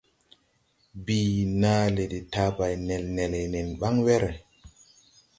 Bii na le de tabay nel nele nen baŋ were.